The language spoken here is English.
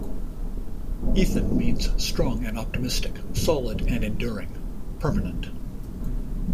Ethan means strong and optimistic, solid and enduring; permanent.